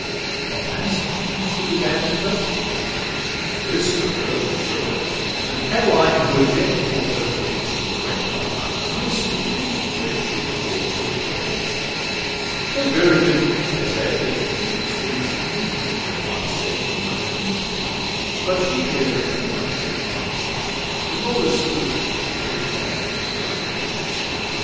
From answering she began to question; this With her was rare: and Adeline, who as yet Thought her predictions went not much amiss, Began to dread she'd thaw to a coquette— So very difficult, they say, it is To keep extremes from meeting, when once set In motion; but she here too much refined— Aurora's spirit was not of that kind.